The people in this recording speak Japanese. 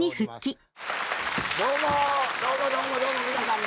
どうも。